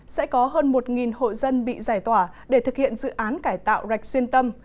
sẽ có hơn một hộ dân bị giải tỏa để thực hiện dự án cải tạo rạch xuyên tâm